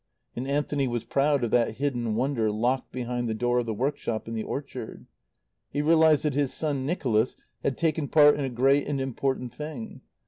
And Anthony was proud of that hidden wonder locked behind the door of the workshop in the orchard. He realized that his son Nicholas had taken part in a great and important thing.